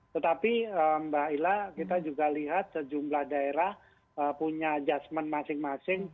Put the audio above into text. tetapi mbak ila kita juga lihat sejumlah daerah punya adjustment masing masing